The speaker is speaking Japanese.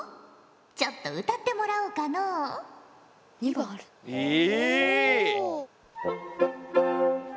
ちょっと歌ってもらおうかのう。え！？え。